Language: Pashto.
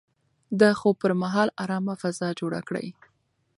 د خوب پر مهال ارامه فضا جوړه کړئ.